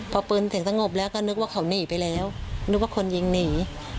พอปืนเสียงสงบแล้วก็นึกว่าเขาหนีไปแล้วนึกว่าคนยิงหนี